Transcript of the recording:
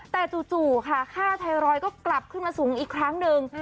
แต่จู่ค่ะค่าไทรอยด์ก็กลับขึ้นมาสูงอีกครั้งหนึ่ง